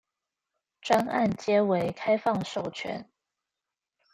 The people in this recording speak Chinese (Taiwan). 專案皆為開放授權